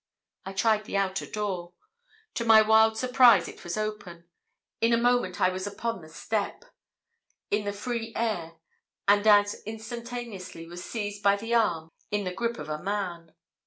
I tried the outer door. To my wild surprise it was open. In a moment I was upon the step, in the free air, and as instantaneously was seized by the arm in the gripe of a man.